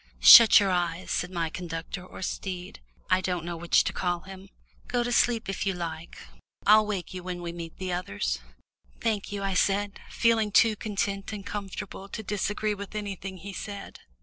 "Shut your eyes," said my conductor or steed, I don't know which to call him; "go to sleep if you like. I'll wake you when we meet the others." "Thank you," I said, feeling too content and comfortable to disagree with anything he said.